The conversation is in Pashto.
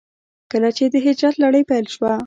کله چې د هجرت لړۍ پيل شوه.